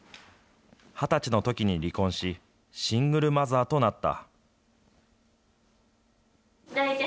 ２０歳のときに離婚し、シングルマザーとなった。